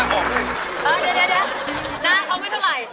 น่ากูปอะไฟเหยาะ